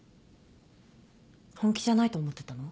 本気じゃないと思ってたの？